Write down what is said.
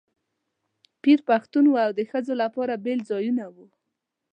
پیر پښتون و او د ښځو لپاره بېل ځایونه وو.